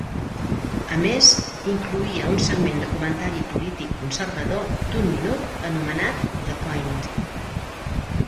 A més, incloïa un segment de comentari polític conservador d'un minut anomenat "The Point".